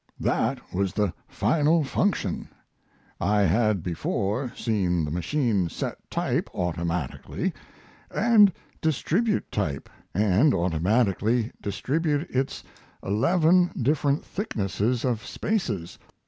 That was the final function. I had before seen the machine set type, automatically, and distribute type, and automatically distribute its eleven different thicknesses of spaces.